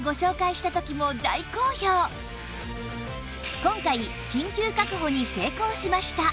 今回緊急確保に成功しました